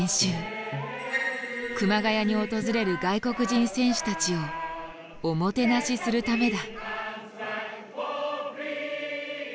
熊谷に訪れる外国人選手たちをおもてなしするためだ。